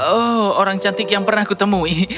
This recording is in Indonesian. oh orang cantik yang pernah kutemui